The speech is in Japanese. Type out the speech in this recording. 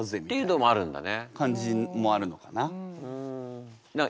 感じもあるのかな。